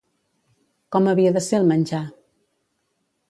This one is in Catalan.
Com havia de ser el menjar?